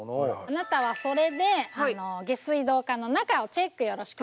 あなたはそれで下水道管の中をチェックよろしくね。